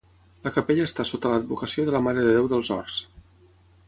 La capella està sota l'advocació de la Mare de Déu dels Horts.